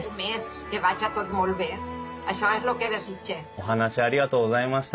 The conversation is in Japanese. お話ありがとうございました。